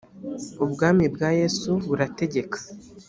ubwami bwa yesu burategeka